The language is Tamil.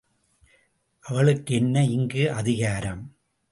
அவளுக்கு என்ன இங்கு அதிகாரம்?